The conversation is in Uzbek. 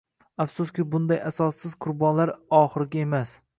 Afsuski, bunday asossiz qurbonlar oxirgi emas